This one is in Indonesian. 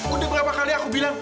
udah berapa kali aku bilang